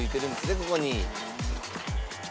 ここに」